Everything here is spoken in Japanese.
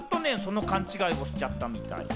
ずっとね、その勘違いをしちゃったみたい。